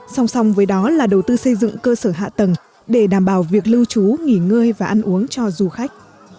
song song với đó là đầu tư xây dựng cơ sở hạ tầng để đảm bảo việc lưu trú nghỉ ngơi và ăn uống cho du khách